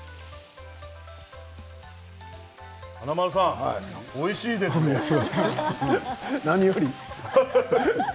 華丸さん、おいしいです。何より。